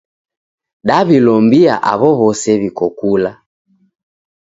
Daw'ilombia aw'o w'ose w'iko kula.